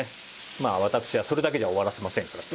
まあ私はそれだけじゃ終わらせませんからですね。